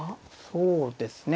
そうですね。